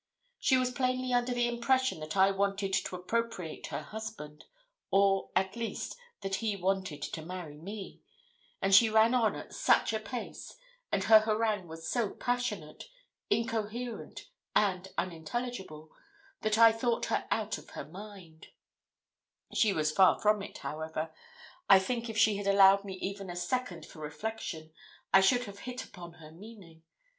She was plainly under the impression that I wanted to appropriate her husband, or, at least, that he wanted to marry me; and she ran on at such a pace, and her harangue was so passionate, incoherent, and unintelligible, that I thought her out of her mind: she was far from it, however. I think if she had allowed me even a second for reflection, I should have hit upon her meaning.